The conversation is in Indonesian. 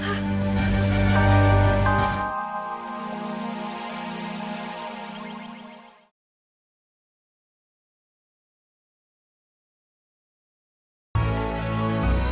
ya allah kenapa aku seperti ini